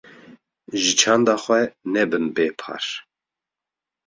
Ji çanda xwe nebin bê par.